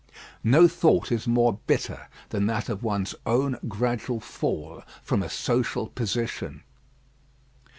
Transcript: No thought is more bitter than that of one's own gradual fall from a social position.